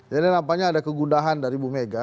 jadi nampaknya ada kegundahan dari ibu mega